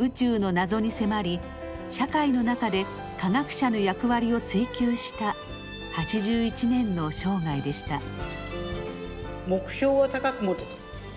宇宙の謎に迫り社会の中で科学者の役割を追求した８１年の生涯でした。